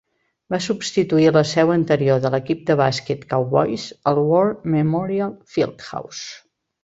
Va substituir la seu anterior de l'equip de bàsquet Cowboys, el War Memorial Fieldhouse.